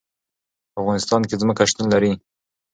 په افغانستان کې ځمکه شتون لري.